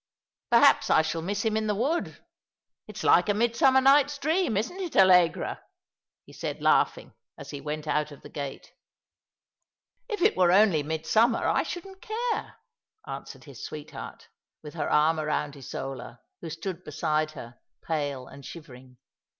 Perhaps I shall miss him in the wood. It's like a Midsummer Night's Dream, isn't it, Allegra ?" he said, laughing, as he went out of the gate. *' If it were only midsummer, I shouldn't care," answered his sweetheart, with her arm round Isola, who stood beside her, pale and shivering.